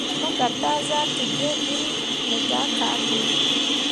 Mo gah taa zahdǝǝge ɓiile me gah ka gŋ.